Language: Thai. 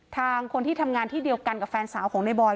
ทางคนที่ทำงานที่เดียวกันกับแฟนสาวของในบอย